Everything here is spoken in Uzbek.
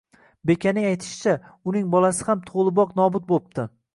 Bekaning aytishicha, uning bolasi ham tug‘iliboq nobud bo‘pti